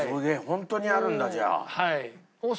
ホントにやるんだじゃあ。